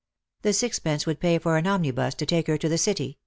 The sixpence would pay for an omnibus to take her to the City.